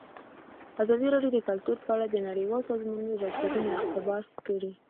ازادي راډیو د کلتور په اړه د نړیوالو سازمانونو راپورونه اقتباس کړي.